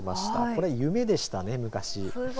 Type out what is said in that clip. これは夢でしたね、昔。